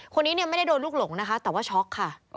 คนนี้ไม่ได้โดนลูกหลงแต่ว่าช็อกค่ะ